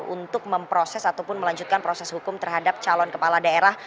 untuk memproses ataupun melanjutkan proses hukum terhadap calon kepala daerah